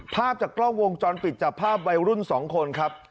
ภาพจากกล้องวงจรปิดจับภาพวัยรุ่น๒คนครับ